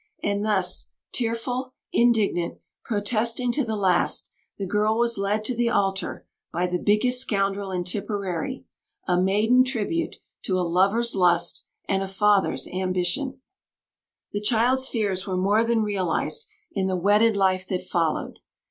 And thus, tearful, indignant, protesting to the last, the girl was led to the altar, by the biggest scoundrel in Tipperary a "maiden tribute" to a lover's lust and a father's ambition. [Illustration: MARGUERITE, COUNTESS OF BLESSINGTON] The child's fears were more than realised in the wedded life that followed.